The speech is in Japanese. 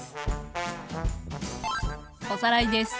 おさらいです。